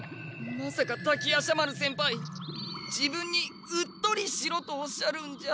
まさか滝夜叉丸先輩自分にうっとりしろとおっしゃるんじゃ。